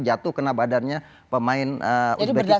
jatuh kena badannya pemain uzbekis